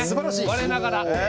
我ながら。